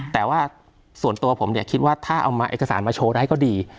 แต่ว่าส่วนตัวผมเนี่ยคิดว่าถ้าเอาเอกสารมาโชว์ได้ก็ดี